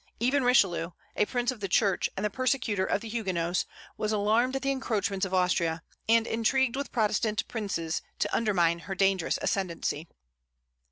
Even Richelieu, a prince of the Church and the persecutor of the Huguenots, was alarmed at the encroachments of Austria, and intrigued with Protestant princes to undermine her dangerous ascendency.